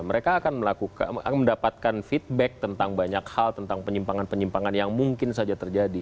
mereka akan mendapatkan feedback tentang banyak hal tentang penyimpangan penyimpangan yang mungkin saja terjadi